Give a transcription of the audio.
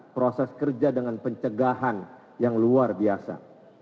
proses kerja dengan pencegahan yang luar biasa